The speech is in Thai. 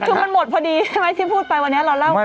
คือมันหมดพอดีที่พูดไปใช่ไหม